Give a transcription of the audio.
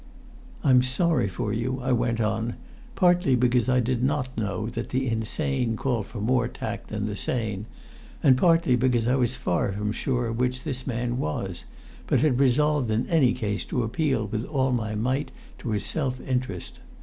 "I'm sorry for you," I went on, partly because I did not know that the insane call for more tact than the sane, and partly because I was far from sure which this man was, but had resolved in any case to appeal with all my might to his self interest.